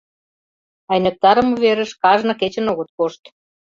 — Айныктарыме верыш кажне кечын огыт кошт.